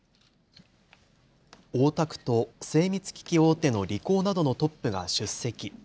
大田区と精密機器大手のリコーなどのトップが出席。